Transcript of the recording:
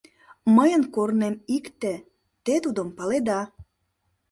Мыйын корнем икте, те тудым паледа.